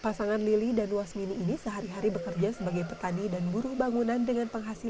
pasangan lili dan wasmini ini sehari hari bekerja sebagai petani dan buruh bangunan dengan penghasilan